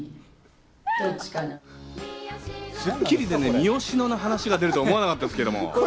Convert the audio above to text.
『スッキリ』でね、「みよしの」の話が出るとは思わなかったですけど。